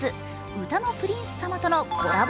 「うたの☆プリンスさまっ」とのコラボ